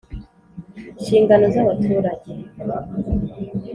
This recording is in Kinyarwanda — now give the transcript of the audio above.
inshingano z’ abaturage